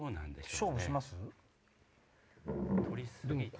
勝負します？